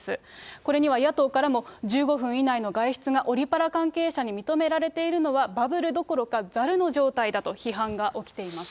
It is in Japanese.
これには野党からも１５分以内の外出がオリパラ関係者に認められているのはバブルどころかざるの状態だと批判が起きています。